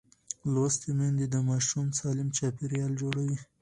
لوستې میندې د ماشوم سالم چاپېریال جوړوي.